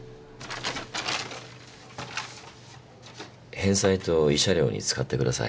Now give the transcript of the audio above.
返済と慰謝料に使ってください。